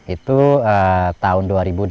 itu tahun dua ribu delapan belas